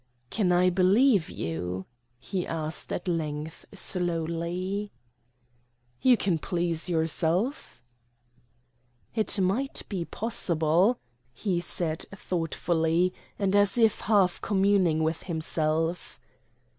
"Can I believe you?" he asked at length slowly. "You can please yourself." "It might be possible," he said thoughtfully, and as if half communing with himself.